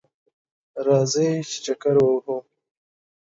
راځئ چه چکر ووهو